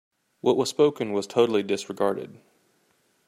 What was spoken was totally disregarded.